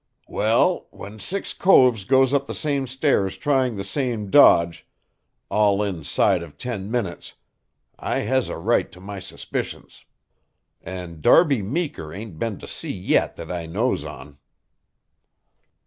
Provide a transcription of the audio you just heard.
"Well, when six coves goes up the same stairs trying the same dodge, all inside of ten minutes, I has a right to my suspicions. And Darby Meeker ain't been to sea yet that I knows on."